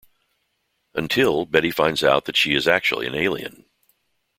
Until, Betty finds out that she is actually an alien.